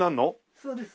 そうです。